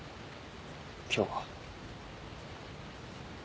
今日は。